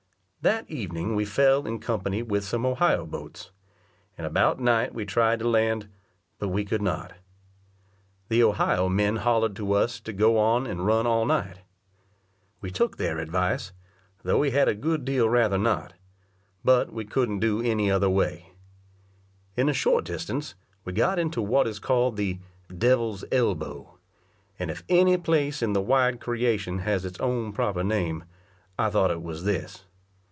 That evening we fell in company with some Ohio boats; and about night we tried to land, but we could not. The Ohio men hollered to us to go on and run all night. We took their advice, though we had a good deal rather not; but we couldn't do any other way. In a short distance we got into what is called the "Devil's Elbow;" and if any place in the wide creation has its own proper name, I thought it was this.